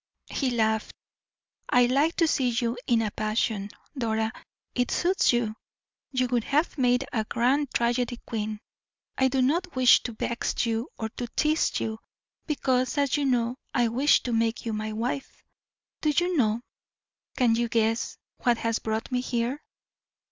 He laughed. "I like to see you in a passion, Dora; it suits you; you would have made a grand tragedy queen. I do not wish to vex you or to tease you, because, as you know, I wish to make you my wife. Do you know, can you guess, what has brought me here?"